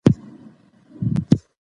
که حاضري وي نو زده کوونکی نه ورکېږي.